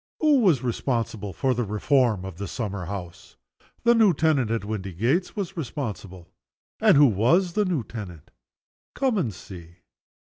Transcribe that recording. Who was responsible for the reform of the summer house? The new tenant at Windygates was responsible. And who was the new tenant? Come, and see.